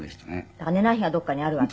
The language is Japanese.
だから寝ない日はどこかにあるわけ？